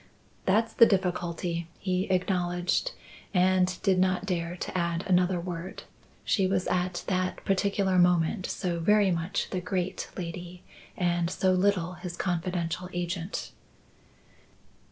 "That's the difficulty," he acknowledged; and did not dare to add another word; she was at that particular moment so very much the great lady, and so little his confidential agent.